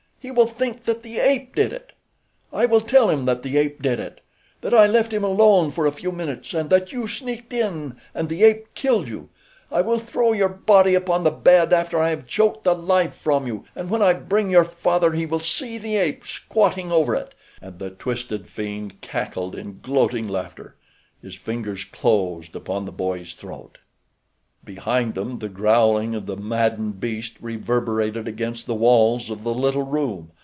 He will think that the ape did it. I will tell him that the ape did it. That I left him alone for a few minutes, and that you sneaked in and the ape killed you. I will throw your body upon the bed after I have choked the life from you, and when I bring your father he will see the ape squatting over it," and the twisted fiend cackled in gloating laughter. His fingers closed upon the boy's throat. Behind them the growling of the maddened beast reverberated against the walls of the little room.